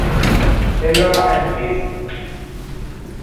Ella and Basie!